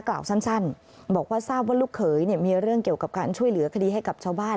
กล่าวสั้นบอกว่าทราบว่าลูกเขยมีเรื่องเกี่ยวกับการช่วยเหลือคดีให้กับชาวบ้าน